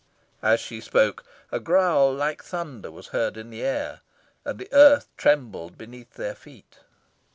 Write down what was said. As she spoke, a growl like thunder was heard in the air, and the earth trembled beneath their feet.